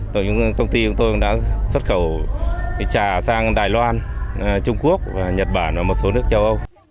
công ty của tôi đã xuất khẩu trà sang đài loan trung quốc nhật bản và một số nước châu âu